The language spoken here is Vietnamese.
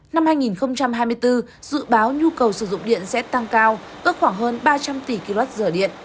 năm hai nghìn hai mươi bốn dự báo nhu cầu sử dụng điện sẽ tăng cao ước khoảng hơn ba trăm linh tỷ kwh điện